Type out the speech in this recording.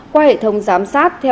qua hệ thống giám sát